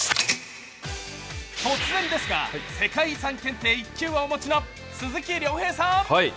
突然ですが、世界遺産検定１級をお持ちの鈴木亮平さん。